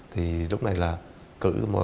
thì lúc này là cử